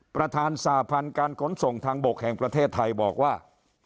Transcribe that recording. ประธานสาพันธ์การขนส่งทางบกแห่งประเทศไทยบอกว่า